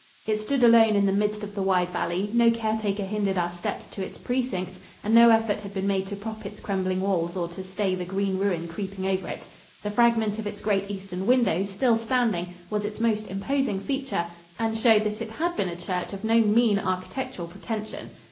It stood alone in the midst of the wide valley; no caretaker hindered our steps to its precincts and no effort had been made to prop its crumbling walls or to stay the green ruin creeping over it. The fragment of its great eastern window, still standing, was its most imposing feature and showed that it had been a church of no mean architectural pretension.